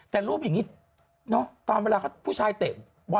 แต่รูปอย่างนี้ตอนเวลาพูดชายเตะบอลกันเสร็จ